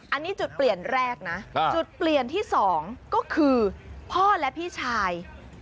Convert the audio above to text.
อันนี้จุดเปลี่ยนแรกนะจุดเปลี่ยนที่๒ก็คือพ่อและพี่ชาย